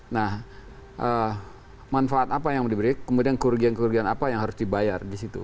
nah manfaat apa yang diberikan kemudian kerugian kerugian apa yang harus dibayar di situ